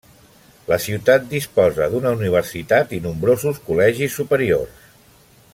La ciutat disposa d'una universitat i nombrosos col·legis superiors.